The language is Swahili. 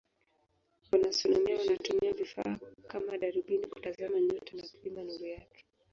Wanaastronomia wanatumia vifaa kama darubini kutazama nyota na kupima nuru yake.